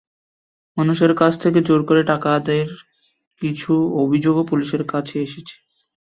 মানুষের কাছ থেকে জোর করে টাকা আদায়ের কিছু অভিযোগও পুলিশের কাছে এসেছে।